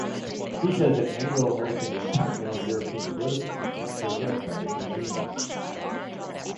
He says that Anglo-American and Continental European Political systems show democratic regimes.